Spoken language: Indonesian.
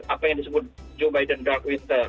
apa yang disebut joe biden dark winter